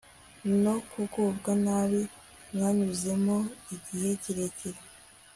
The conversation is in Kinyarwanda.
no kugubwa nabi mwanyuzemo igihe kirekire